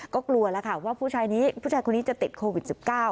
ก็กลัวแล้วค่ะว่าผู้ชายคนนี้จะติดโควิด๑๙